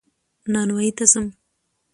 نانوايي ته ځم